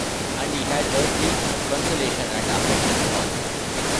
And he had earthly consolation and affections also.